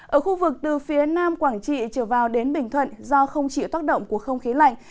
ở khu vực từ phía nam quảng trị trở vào đến bình thuận do không chịu tác động của không khí lạnh